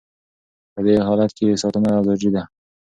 په دې حالت کې ساتنه ضروري ده.